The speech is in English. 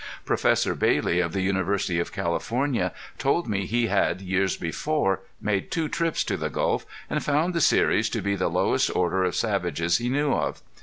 Professor Bailey of the University of California told me he had years before made two trips to the Gulf, and found the Seris to be the lowest order of savages he knew of.